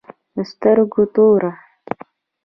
د سترگو توره